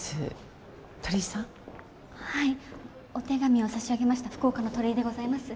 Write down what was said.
お手紙を差し上げました福岡の鳥居でございます。